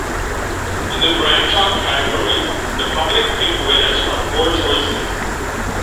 In the branch-off categories, the public picked winners from four choices.